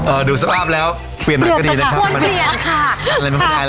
เอ่อดูสภาพแล้วเปลี่ยนหนังก็ดีนะครับโทษเปลี่ยนค่ะ